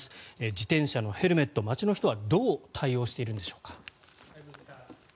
自転車のヘルメット、街の人はどう対応しているのでしょうか。